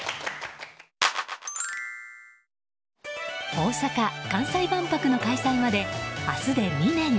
大阪・関西万博の開催まで明日で２年。